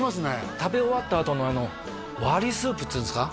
食べ終わったあとの割りスープっつうんですか？